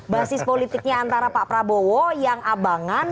basis politiknya antara pak prabowo yang abangan